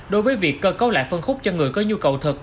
đối với việc cơ cấu lại phân khúc cho người có nhu cầu thật